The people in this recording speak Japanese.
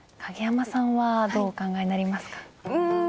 影山さんはどうお考えになりますか？